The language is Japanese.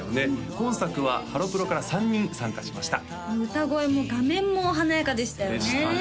今作はハロプロから３人参加しました歌声も画面も華やかでしたよねでしたね